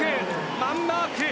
マンマーク。